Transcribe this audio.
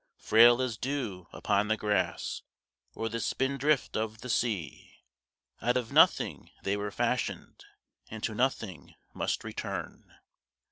Frail as dew upon the grass Or the spindrift of the sea, Out of nothing they were fashioned And to nothing must return.